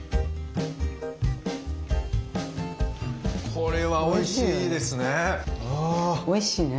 これはおいしいですね。